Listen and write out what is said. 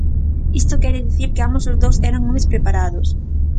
Isto quere dicir que ambos os dous eran homes preparados.